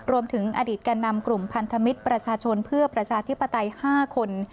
รวมถึงอดีตแก่นำกลุ่มพันธมิตรประชาชนเพื่อประชาธิปไตย๕คน